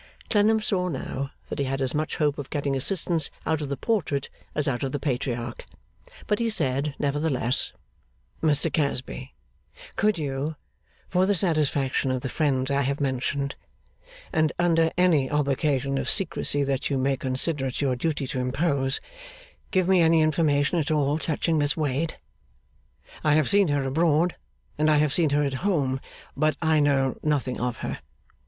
Clennam saw now, that he had as much hope of getting assistance out of the Portrait as out of the Patriarch; but he said nevertheless: 'Mr Casby, could you, for the satisfaction of the friends I have mentioned, and under any obligation of secrecy that you may consider it your duty to impose, give me any information at all touching Miss Wade? I have seen her abroad, and I have seen her at home, but I know nothing of her.